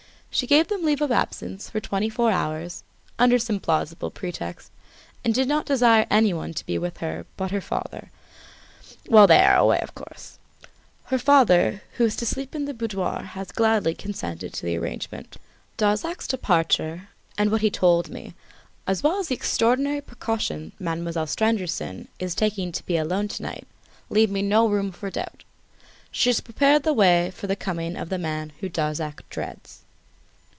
She gave them leave of absence for twenty four hours, under some plausible pretexts, and did not desire anybody to be with her but her father, while they are away. Her father, who is to sleep in the boudoir, has gladly consented to the arrangement. Darzac's departure and what he told me, as well as the extraordinary precautions Mademoiselle Stangerson is taking to be alone to night leaves me no room for doubt. She has prepared the way for the coming of the man whom Darzac dreads."